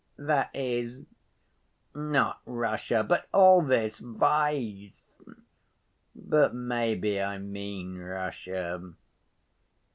That is, not Russia, but all this vice! But maybe I mean Russia.